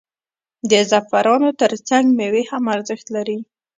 د زعفرانو ترڅنګ میوې هم ارزښت لري.